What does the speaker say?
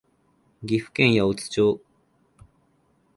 岐阜県八百津町